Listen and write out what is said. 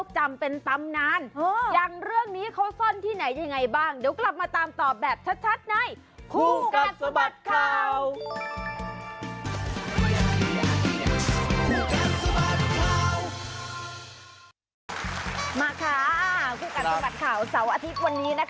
ใช่ออร่าแล้วก็มีเคล็ดลับอุ้ยแต่ไม่ได้บอก